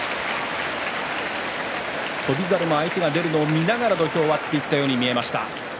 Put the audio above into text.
翔猿も相手を出るのを見ながら土俵を割っていたように見えました。